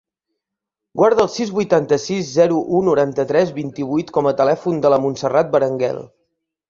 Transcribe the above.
Guarda el sis, vuitanta-sis, zero, u, noranta-tres, vint-i-vuit com a telèfon de la Montserrat Berenguel.